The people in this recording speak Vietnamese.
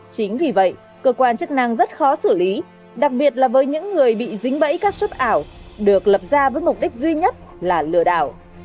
chính vì vậy cơ quan chức năng rất khó xử lý đặc biệt là với những người bị dính bẫy các suất ảo được lập ra với mục đích duy nhất là lừa đảo